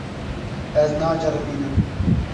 Ez naceribînim.